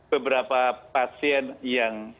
beberapa pasien yang